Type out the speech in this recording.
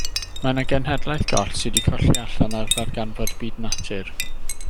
Ma 'na genhedlaeth goll sy' 'di colli allan ar ddarganfod byd natur.